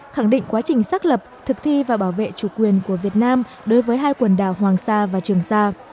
khẳng định quá trình xác lập thực thi và bảo vệ chủ quyền của việt nam đối với hai quần đảo hoàng sa và trường sa